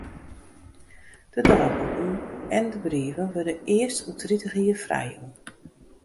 De deiboeken en de brieven wurde earst oer tritich jier frijjûn.